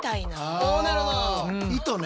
糸ね。